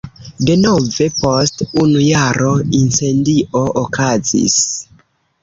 Denove post unu jaro incendio okazis.